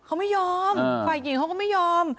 เขาไม่ยอมฝ่ายหญิงเขาก็ไม่ยอม